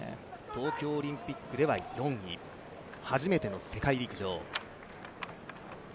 東京オリンピックでは４位、初めての世界陸上。